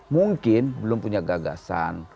mungkin belum punya gagasan